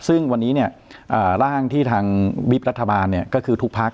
ซึ่งวันนี้ร่างที่ทางวิบรัฐบาลก็คือทุกพัก